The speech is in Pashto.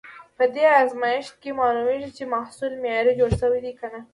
په دې ازمېښت کې معلومېږي، چې محصول معیاري جوړ شوی که نه.